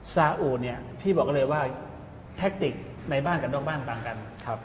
สาอุเนี่ยพี่บอกเลยว่าแทคติกในบ้านกับนอกบ้านต่างกัน